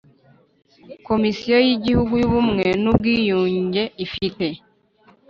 Komisiyo y Igihugu y Ubumwe n Ubwiyunge ifite